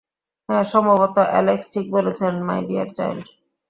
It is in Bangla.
হ্যাঁ, সম্ভবত, অ্যালেক্স ঠিক বলেছেন, মাই ডিয়ার চাইল্ড।